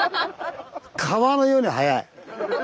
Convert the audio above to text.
川のように速い。